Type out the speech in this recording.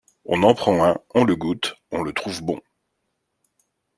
On en prend un, on le goûte, on le trouve bon.